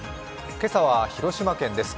今朝は広島県です。